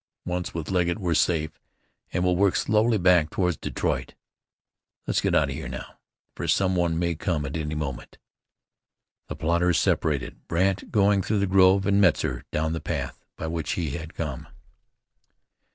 Once with Legget we're safe, and then we'll work slowly back towards Detroit. Let's get out of here now, for some one may come at any moment." The plotters separated, Brandt going through the grove, and Metzar down the path by which he had come.